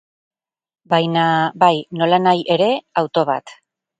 Baina, bai, nolanahi ere, auto bat.